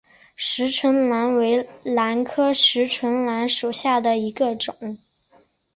匙唇兰为兰科匙唇兰属下的一个种。